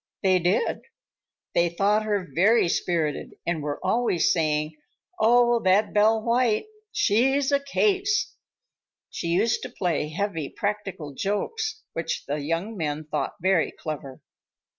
They did. They thought her very spirited and were always saying, "Oh, that Belle White, she's a case!" She used to play heavy practical jokes which the young men thought very clever.